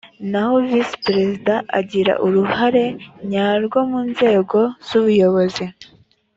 naho visi perezida agira uruhare nyarwo mu nzego z’ubuyobozi